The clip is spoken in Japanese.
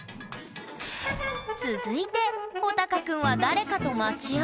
続いてほたかくんは誰かと待ち合わせ。